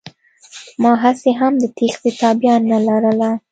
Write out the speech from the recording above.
ما هسې هم د تېښتې تابيا نه لرله.